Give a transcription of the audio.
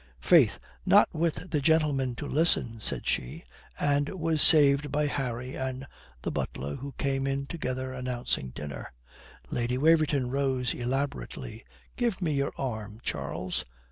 "Faith, not with the gentlemen to listen," said she, and was saved by Harry and the butler, who came in together announcing dinner. Lady Waverton rose elaborately. "Give me your arm, Charles.